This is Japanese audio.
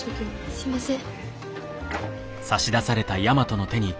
すいません。